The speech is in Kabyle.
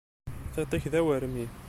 Tiṭ-ik d awermi.